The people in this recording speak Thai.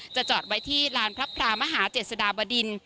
จอดไว้ที่ลานพระพรามหาเจษฎาบดิน